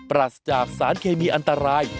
รัสจากสารเคมีอันตราย